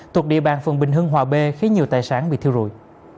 thuộc địa bàn phường bình hương hòa bê khi nhiều tài sản bị thiêu rụi